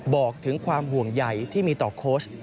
บอกถึงความห่วงใหญ่ที่มีต่อโค้ช